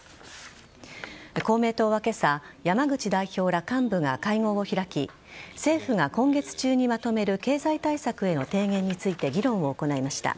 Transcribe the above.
公明党は今朝山口代表ら幹部が会合を開き政府が今月中にまとめる経済対策の提言について議論を行いました。